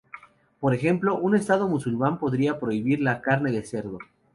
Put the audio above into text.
Por ejemplo, un estado musulmán podría prohibir la carne de cerdo.